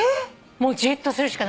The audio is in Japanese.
もうじーっとするしかないの。